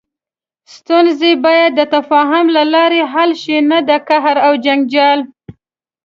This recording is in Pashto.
ستونزې باید د تفاهم له لارې حل شي، نه د قهر او جنجال.